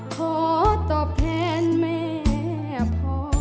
ขอตอบแทนแม่พ่อ